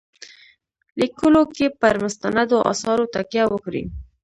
لیکلو کې پر مستندو آثارو تکیه وکړي.